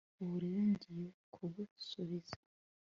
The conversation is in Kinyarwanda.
ubu rero, ngiye kugusubiza